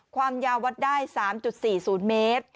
ความยาววัดได้๓๔๐เมตร